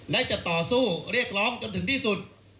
และจะต่อสู้เรียกร้องจนถึงที่สุด